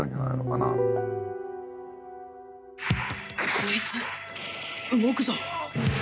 こいつ、動くぞ。